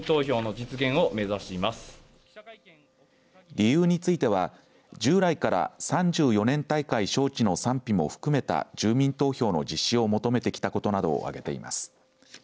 理由については従来から３４年大会招致の賛否も含めた住民投票の実施を求めてきたことなどを挙げています。